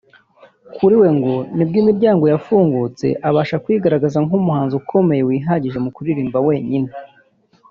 Kuri we ngo nibwo imiryango yafungutse abasha kwigaragaza nk’umuhanzi ukomeye wihagije mu kuririmba wenyine